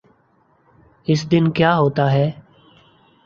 اس دن کیا ہوتاہے۔